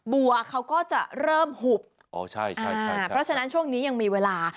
บัวเขาก็จะเริ่มหุบอ๋อใช่ใช่เพราะฉะนั้นช่วงนี้ยังมีเวลา